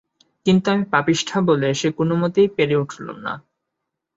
কিন্তু আমি পাপিষ্ঠা বলে সে কোনোমতেই পেরে উঠলুম না।